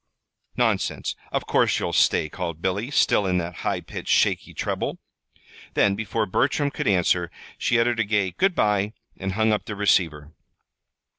_ "Nonsense! of course you'll stay," called Billy, still in that high pitched, shaky treble. Then, before Bertram could answer, she uttered a gay "Good by!" and hung up the receiver.